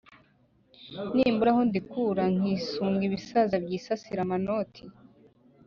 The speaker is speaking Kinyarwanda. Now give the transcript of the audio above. Nimbura aho ndikura Nkisunga ibisaza Byisasira amanoti